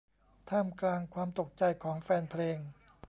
ท่ามกลางความตกใจของแฟนเพลง